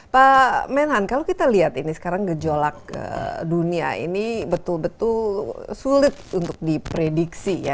pak menhan kalau kita lihat ini sekarang gejolak dunia ini betul betul sulit untuk diprediksi ya